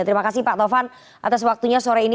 terima kasih pak tovan atas waktunya sore ini